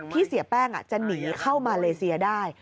เสียแป้งจะหนีเข้ามาเลเซียได้